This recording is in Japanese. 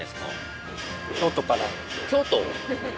京都？